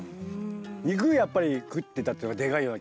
肉やっぱり食ってたっていうのがでかいような。